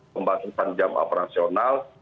pembatasan jam operasional